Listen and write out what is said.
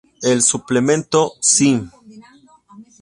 El "Suplemento Sí!